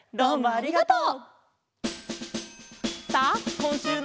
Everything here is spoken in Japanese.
ありがとう！